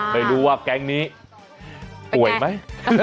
ไปดูว่าแกรงนี้ป่วยไหม